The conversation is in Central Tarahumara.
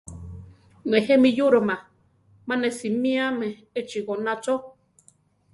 Nejé mi yúroma, mane simíame echí goná chó.